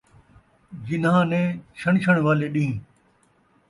جِنھاں نے چھݨچھݨ والے ݙِین٘ہ